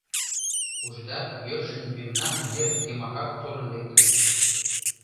Ужыда, йӧршын мемнан нер йымакак толын лектын».